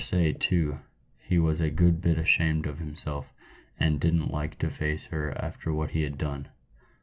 say, too, he was a good bit ashamed of himself, and didn't like to face her after what he had done."